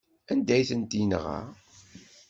Anda ay ten-yenɣa?